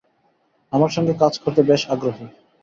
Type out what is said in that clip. আমার সঙ্গে কাজ করতে বেশ আগ্রহী।